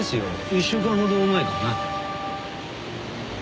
１週間ほど前かな。